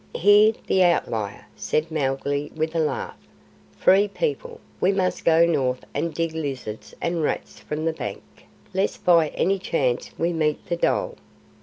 "Hear the Outlier!" said Mowgli with a laugh. "Free People, we must go north and dig lizards and rats from the bank, lest by any chance we meet the dhole.